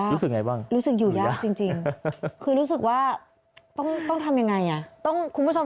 รู้สึกอย่าอยู่ยากจริงค่ะคือรู้สึกว่าว่าต้องทำยังไง